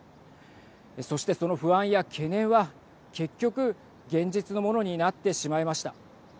そして、その不安や懸念は結局、現実のものになってしまいました。